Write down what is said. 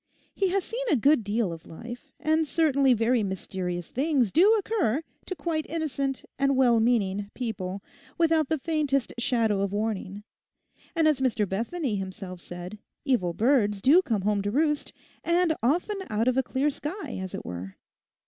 He has seen a good deal of life; and certainly very mysterious things do occur to quite innocent and well meaning people without the faintest shadow of warning, and as Mr. Bethany himself said, evil birds do come home to roost, and often out of a clear sky, as it were.